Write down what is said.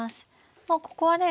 もうここはね